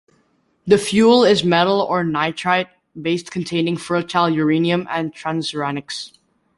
The fuel is metal or nitride-based containing fertile uranium and transuranics.